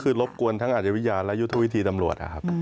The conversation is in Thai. คือรบกวนทั้งอาจวิญญาณและยุทธวิธีตำรวจนะครับ